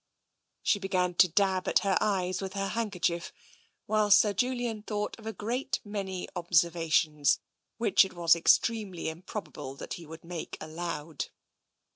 She began to dab at her eyes with her handkerchief, while Sir Julian thought of a great many observations which it was extremely improbable that he would make aloud.